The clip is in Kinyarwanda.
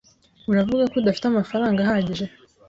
Uravuga ko udafite amafaranga ahagije?